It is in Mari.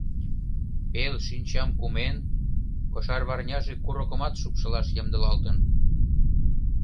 Пел шинчам кумен, кошарварняже курокымат шупшылаш ямдылалтын.